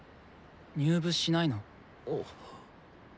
入部しないの？